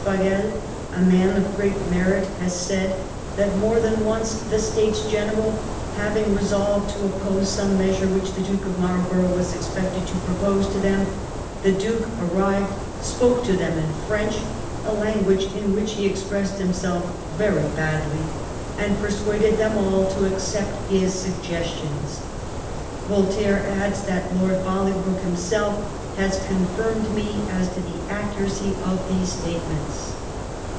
Fagel, a man of great merit, has said that more than once the States General having resolved to oppose some measure which the Duke of Marlborough was expected to propose to them, the Duke arrived, spoke to them in French, a lan guage in which he expressed himself very badly, and persuaded them all to accept his suggestions.' Voltaire adds that 'Lord Bolingbroke himself has confirmed me as to the accuracy of these statements.'